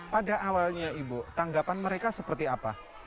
pada awalnya ibu tanggapan mereka seperti apa